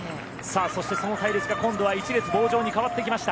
そして、その隊列が今度は一列棒状に変わっていきました。